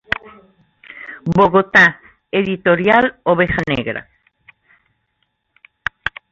Bogotá: Editorial Oveja Negra.